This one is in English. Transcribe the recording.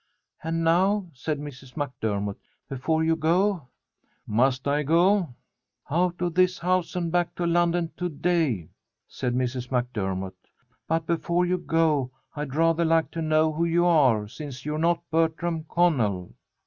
"And now," said Mrs. MacDermott, "before you go " "Must I go " "Out of this house and back to London today," said Mrs. MacDermott. "But before you go I'd rather like to know who you are, since you're not Bertram Connell."